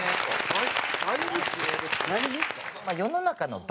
はい。